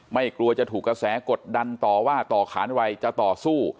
กลัวจะถูกกระแสกดดันต่อว่าต่อขานวัยจะต่อสู้